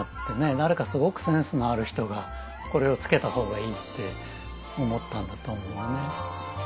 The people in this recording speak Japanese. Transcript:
誰かすごくセンスのある人がこれをつけた方がいいって思ったんだと思うのね。